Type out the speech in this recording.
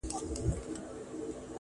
زړه وه زړه ته لاره لري ـ